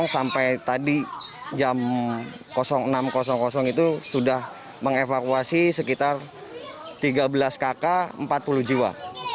sampai tadi jam enam itu sudah mengevakuasi sekitar tiga belas kakak empat puluh jiwa